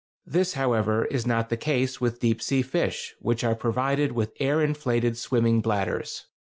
This, however, is not the case with deep sea fish, which are provided with air inflated swimming bladders.